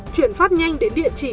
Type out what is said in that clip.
chuyển phát nhanh đến địa chỉ